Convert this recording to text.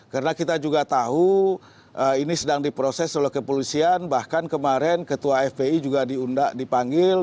karena kita juga tahu ini sedang diproses oleh kepolisian bahkan kemarin ketua fpi juga diundak dipanggil